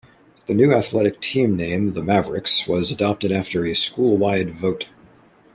The new athletic team name-the Mavericks-was adopted after a school-wide vote.